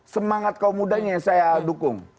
semangat kaum mudanya yang saya dukung